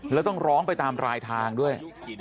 แล้วต้องร้องไปตามรายทางด้วย